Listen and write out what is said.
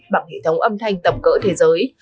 bằng hệ thống âm thanh tầm cỡ thế giới